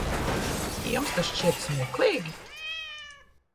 Jums tas šķiet smieklīgi?